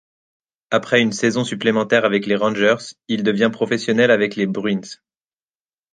Après une saison supplémentaire avec les Rangers, il devient professionnel avec les Bruins.